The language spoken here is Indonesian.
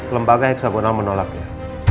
lembaga heksagonal menolaknya